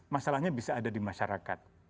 masalahnya bisa ada di masyarakat